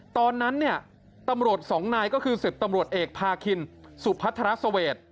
ตอนนั้นเนี่ยตำรวจสองนายก็คือ๑๐ตำรวจเอกพาคินสุพัทรเสวด